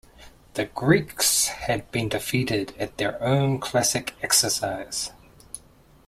The Greeks had been defeated at their own classic exercise.